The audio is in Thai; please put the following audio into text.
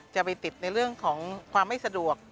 จะไปติดในเรื่องของความไม่สะดวก